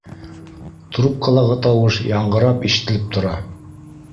Трубкалағы тауыш яңғырап, ишетелеп тора